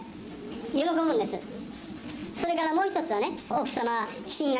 それからもう１つはね。